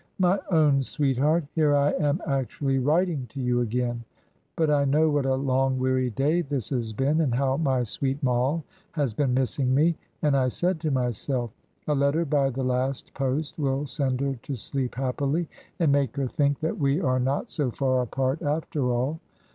"MY OWN SWEETHEART. Here I am actually writing to you again. But I know what a long, weary day this has been, and how my sweet Moll has been missing me; and I said to myself, 'A letter by the last post will send her to sleep happily, and make her think that we are not so far apart, after all!'